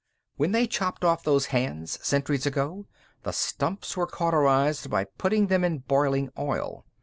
"When they chopped off those hands, centuries ago, the stumps were cauterized by putting them in boiling oil.